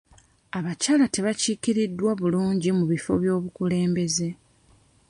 Abakyala tebakiikiriddwa bulungi mu bifo by'obukulembeze.